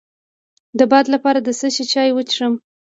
د باد لپاره د څه شي چای وڅښم؟